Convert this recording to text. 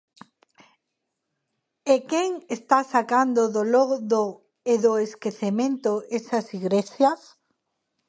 ¿E quen está sacando do lodo e do esquecemento esas igrexas?